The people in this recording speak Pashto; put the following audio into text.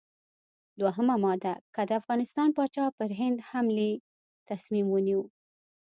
دوهمه ماده: که د افغانستان پاچا پر هند حملې تصمیم ونیو.